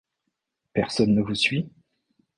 Personne ne vous suit ?